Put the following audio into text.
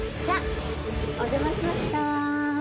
じゃお邪魔しました。